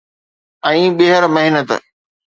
۽ ٻيهر محنت